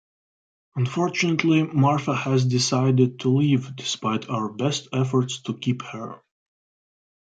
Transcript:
Unfortunately, Martha has decided to leave despite our best efforts to keep her.